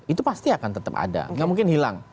itu pasti akan tetap ada nggak mungkin hilang